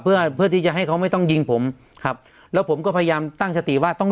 เพื่อเพื่อที่จะให้เขาไม่ต้องยิงผมครับแล้วผมก็พยายามตั้งสติว่าต้อง